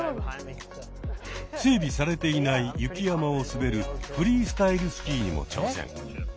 整備されていない雪山を滑るフリースタイルスキーにも挑戦。